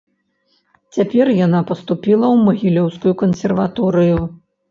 Цяпер яна паступіла ў магілёўскую кансерваторыю.